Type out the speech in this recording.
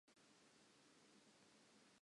Ba etsa jwalo le ka mabenkele.